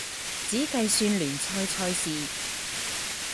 只计算联赛赛事。